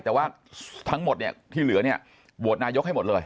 สถานีทั้งหมดโวท์นายกให้หมดเลย